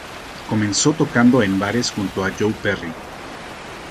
Comenzó tocando en bares junto a Joe Perry.